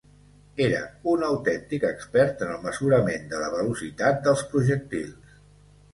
Era un autèntic expert en el mesurament de la velocitat dels projectils.